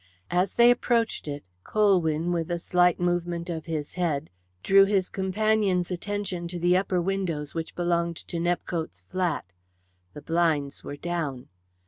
As they approached it Colwyn, with a slight movement of his head, drew his companion's attention to the upper windows which belonged to Nepcote's flat. The blinds were down.